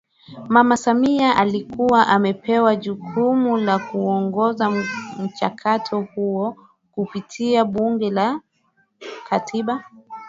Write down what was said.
Mama Samia alikuwa amepewa jukumu la kuongoza mchakato huo kupitia Bunge la Katiba